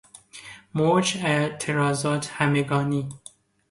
موج اعتراضات همگانی